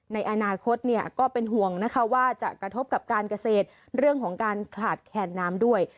ในอนาคตก็เป็นห่วงนะคะว่าจะกระทบกับการเกษตรเรื่องของการขาดแคนน้ำด้วย